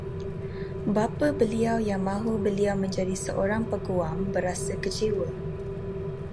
Bapa beliau yang mahu beliau menjadi seorang peguam, berasa kecewa